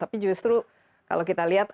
tapi justru kalau kita lihat